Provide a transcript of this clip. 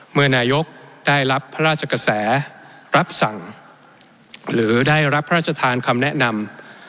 เมื่อนายกได้รับพระราชกระแสรับสั่งหรือได้รับพระราชทานคำแนะนำ